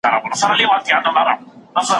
دا زموږ وروستی پیغام دی.